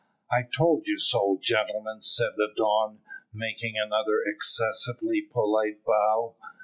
"I told you so, gentlemen," said the Don, making another excessively polite bow.